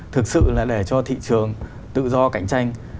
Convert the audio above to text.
thực sự là để cho thị trường tự do cạnh tranh